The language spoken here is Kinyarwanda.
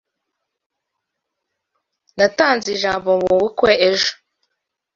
Natanze ijambo mubukwe ejo.